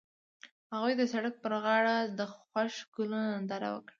هغوی د سړک پر غاړه د خوښ ګلونه ننداره وکړه.